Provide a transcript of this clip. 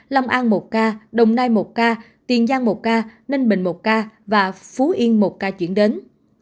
long an một ca đồng nai một ca tiền giang một ca ninh bình một ca và phú yên một ca chuyển đến